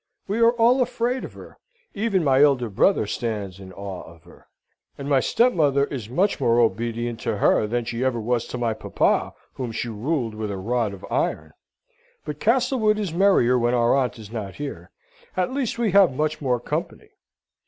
We are all afraid of her: even my elder brother stands in awe of her, and my stepmother is much more obedient to her than she ever was to my papa, whom she ruled with a rod of iron. But Castlewood is merrier when our aunt is not here. At least we have much more company.